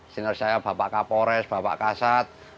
senior saya bapak kapolres bapak kasat